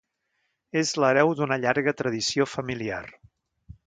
És l'hereu d'una llarga tradició familiar.